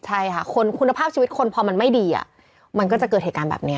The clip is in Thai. ใช่ค่ะคนคุณภาพชีวิตคนพอมันไม่ดีมันก็จะเกิดเหตุการณ์แบบนี้